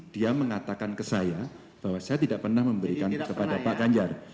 dia mengatakan ke saya bahwa saya tidak pernah memberikan kepada pak ganjar